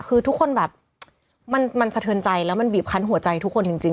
คือทุกคนแบบมันสะเทือนใจแล้วมันบีบคันหัวใจทุกคนจริง